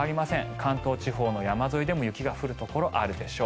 関東地方の山沿いでも雪が降るところあるでしょう。